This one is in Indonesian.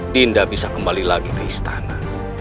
dinda bisa kembali lagi ke istana